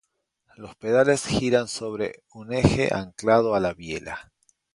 Los pedales giran sobre un eje anclado a la biela.